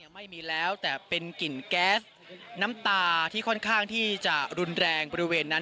ไม่มีแล้วแต่เป็นกลิ่นแก๊สน้ำตาที่ค่อนข้างที่จะรุนแรงบริเวณนั้น